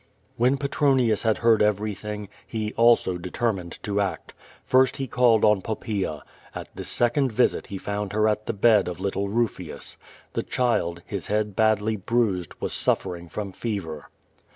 When Petronius had heard everything, he, also, determined to act. First he called on Poppaea. At this second visit he found her at the bed of little Rufius. The child, his head badly bruised, was suffering from fever.